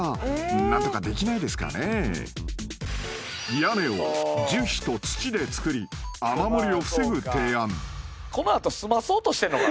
［屋根を樹皮と土で造り雨漏りを防ぐ提案］